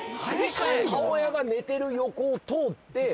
母親が寝てる横を通って。